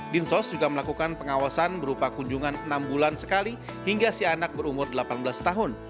dinsos juga melakukan pengawasan berupa kunjungan enam bulan sekali hingga si anak berumur delapan belas tahun